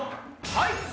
はい！